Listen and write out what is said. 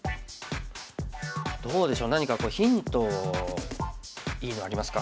どうでしょう何かヒントいいのありますか？